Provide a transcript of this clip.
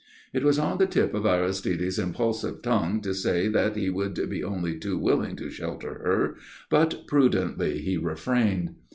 It was on the tip of Aristide's impulsive tongue to say that he would be only too willing to shelter her, but prudently he refrained.